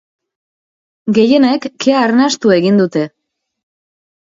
Gehienek kea arnastu egin dute.